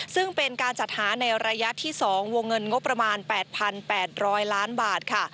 ซึ่งเป็นการจัดหาในระยะที่๒วงเงินงบประมาณ๘๘๐๐ล้านบาทค่ะ